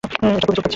এটা খুব চুলকাচ্ছে।